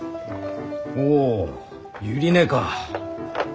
おお百合根か。